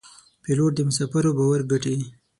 پیلوټ د مسافرو باور ګټي.